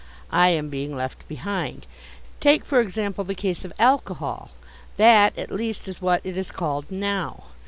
I am being left behind. Take, for example, the case of alcohol. That, at least, is what it is called now.